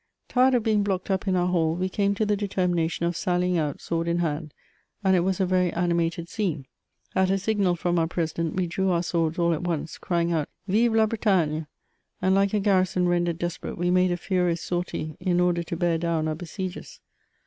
Tired of being blocked up in our hall, we came to the deter mination of sallying out, sword in hand : and it was a very ani mated scene. At a signal from our president, we drew our swords all at once, crying out " Vive la Bretagne! And, like a garrison rendered desperate, we made a furious sortie in order to bear down our besiegers.